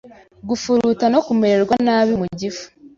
Gufuruta no kumererwa nabi mu gifu,